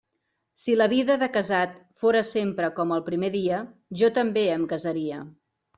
Si la vida de casat fóra sempre com el primer dia, jo també em casaria.